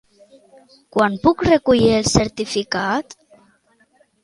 Quan puc recollir el certificat?